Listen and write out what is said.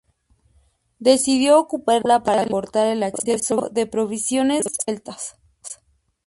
Decidió ocuparla para cortar el acceso de provisiones a los celtas.